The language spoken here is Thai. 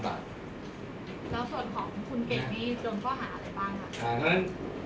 แล้วส่วนของคุณเก่งดีจนเขาหาอะไรบ้างครับ